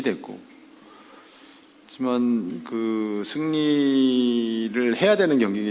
saya akan bersedia untuk menang